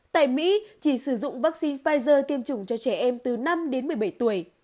tại mỹ chỉ sử dụng vaccine pfizer tiêm chủng cho trẻ em từ năm đến một mươi bảy tuổi